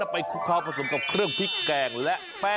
เป็นต้านแทบนะ